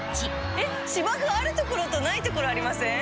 えっ芝生ある所とない所ありません？